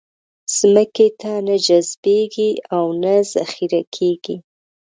ځمکې ته نه جذبېږي او نه ذخېره کېږي.